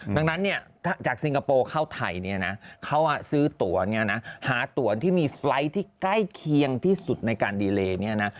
ดังนั้นจากสิงคโปร์เข้าไทยเขาซื้อตัวหาตัวที่มีไฟล์ท์ที่ใกล้เคียงที่สุดในการดีเลย